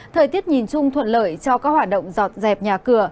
thời tiết nhìn chung thuận lợi cho các hoạt động dọn dẹp nhà cửa